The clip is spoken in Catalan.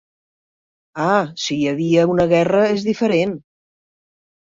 Ah, si hi havia una guerra és diferent.